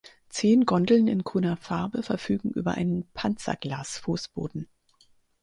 Zehn Gondeln in grüner Farbe verfügen über einen Panzerglas-Fußboden.